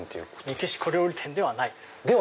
メキシコ料理店ではないです。